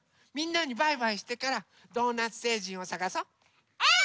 みんなにバイバイしてからドーナツせいじんをさがそう。